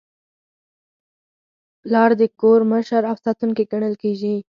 پلار د کور مشر او ساتونکی ګڼل کېږي.